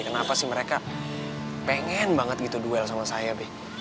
kenapa sih mereka pengen banget gitu duel sama saya deh